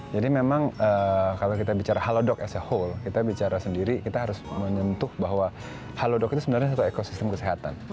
jadi memang kalau kita bicara halodoc as a whole kita bicara sendiri kita harus menyentuh bahwa halodoc itu sebenarnya satu ekosistem kesehatan